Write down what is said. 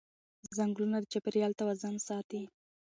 ځنګلونه د چاپېریال توازن ساتي